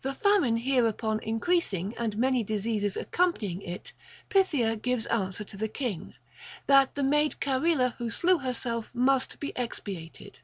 The famine hereupon increasing and many diseases accompanying it, Pythia gives answer to the king, that the maid Charila who slew herself must be expiated.